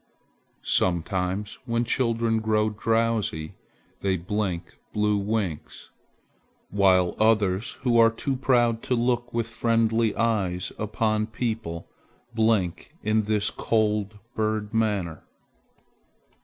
Sometimes when children grow drowsy they blink blue winks, while others who are too proud to look with friendly eyes upon people blink in this cold bird manner.